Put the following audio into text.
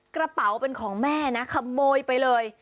กระเป๋าเป็นของแม่นะขโมยไปเลย